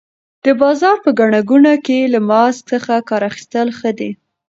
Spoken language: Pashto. د بازار په ګڼه ګوڼه کې له ماسک څخه کار اخیستل ښه دي.